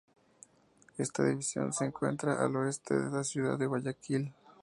Esta división se encuentra al oeste de la ciudad de Guayaquil.